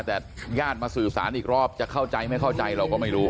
แต่ญาติมาสื่อสารอีกรอบจะเข้าใจไม่เข้าใจเราก็ไม่รู้